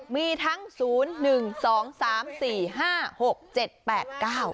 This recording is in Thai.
มีทั้งศูนย์หนึ่งสองสามสี่ห้าหกเจ็ดแปดเก้า